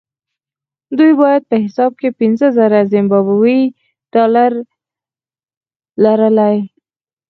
دوی باید په حساب کې پنځه زره زیمبابويي ډالر لرلای.